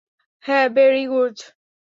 হ্যাঁ, very good.